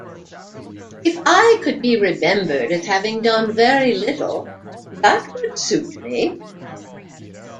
If I could be remembered as having done very little, that would suit me.